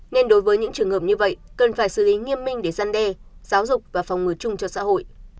nên đối với những trường hợp như vậy cần phải xử lý nghiêm minh để gian đe giáo dục và phòng ngừa chung cho xã hội